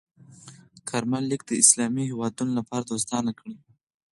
کارمل لیک د اسلامي هېوادونو لپاره دوستانه کړ.